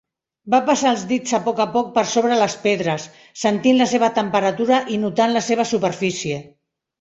Va passar els dits a poc a poc per sobre les pedres, sentint la seva temperatura i notant la seva superfície.